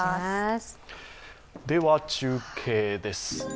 では中継です。